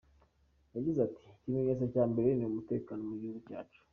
Yagize ati “Ikimenyetso cya mbere ni umutekano mu gihugu cyacu.